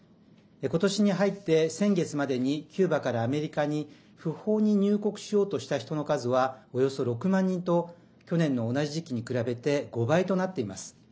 ことしに入って先月までにキューバからアメリカに不法に入国しようとした人の数はおよそ６万人と去年の同じ時期に比べて５倍となっています。